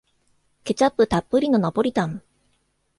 ケチャップたっぷりのナポリタン